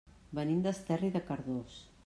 Venim d'Esterri de Cardós.